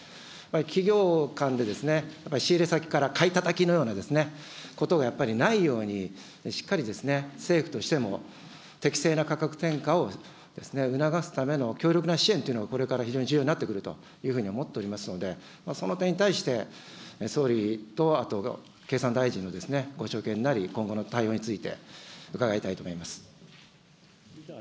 企業間でやっぱり仕入れ先から買いたたきのようなことがやっぱりないように、しっかり政府としても適正な価格転嫁を促すための強力な支援というのを、これから非常に重要になってくるというふうに思ってますので、その点に対して、総理とあと、経産大臣のご所見なり、今後の対応について伺いたいと思います。